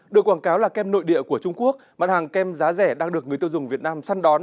được quảng cáo là kem nội địa của trung quốc mặt hàng kem giá rẻ đang được người tiêu dùng việt nam săn đón